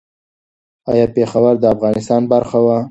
ایا پېښور د افغانستان برخه وه؟